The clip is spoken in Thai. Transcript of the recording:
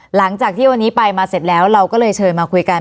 หลังจากที่วันนี้ไปมาเสร็จแล้วเราก็เลยเชิญมาคุยกัน